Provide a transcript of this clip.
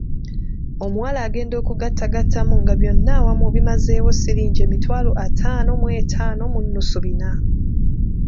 Omuwala agenda okugattagattamu nga byonna awamu bimazeewo siringi emitwalo ataano mu etaano mu nnusu bina.